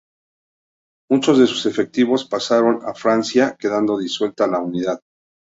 Muchos de sus efectivos pasaron a Francia, quedando disuelta la unidad.